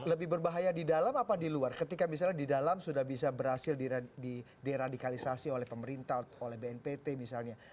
lebih berbahaya di dalam apa di luar ketika misalnya di dalam sudah bisa berhasil di deradikalisasi oleh pemerintah oleh bnpt misalnya